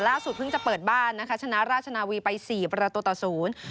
เพิ่งจะเปิดบ้านนะคะชนะราชนาวีไปสี่ประตูต่อศูนย์